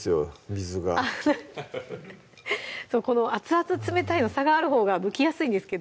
水がこの熱々冷たいの差があるほうがむきやすいんですけど